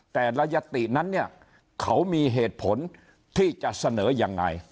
แต่ละยตินั้นเนี่ยเขามีเหตุผลที่จะเสนอยังไง